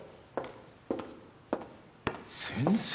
先生。